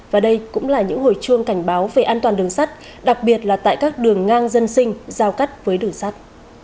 và đây cũng là những hồi chuông cảnh báo về an toàn đường sắt đặc biệt là tại các đường ngang dân sinh giao cắt với đường sắt